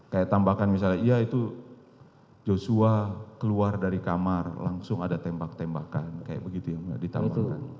kayak tambahkan misalnya iya itu joshua keluar dari kamar langsung ada tembak tembakan kayak begitu yang ditawarkan